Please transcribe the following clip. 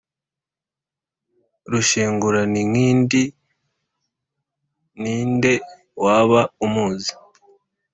Rushenguraninkindi ninde waba umuzi